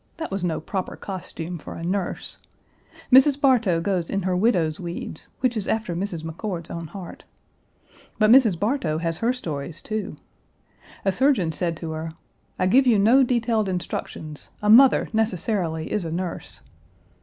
That was no proper costume for a nurse. Mrs. Bartow goes in her widow's weeds, which is after Mrs. McCord's own heart. But Mrs. Bartow has her stories, too. A surgeon said to her, "I give you no detailed instructions: a mother necessarily is a nurse."